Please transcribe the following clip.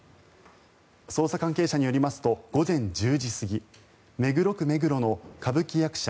捜査関係者によりますと午前１０時過ぎ目黒区目黒の、歌舞伎役者